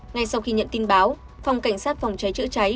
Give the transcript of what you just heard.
ngay sau khi nhận tin báo phòng cảnh sát phòng cháy chữa cháy